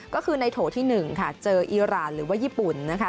ก็คือในโถที่๑ค่ะเจออีรานหรือว่าญี่ปุ่นนะคะ